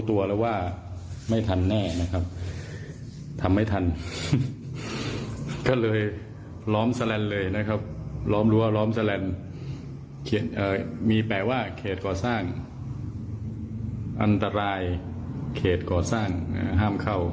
ทำไม่ทันก็เลยล้อมแซลนด์เลยนะครับล้อมรั้วล้อมแซลนด์เอ่อมีแปลว่าเขตก่อสร้างอันตรายเขตก่อสร้างห้ามเข้า